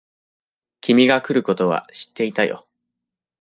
君が来ることは知ってたよ。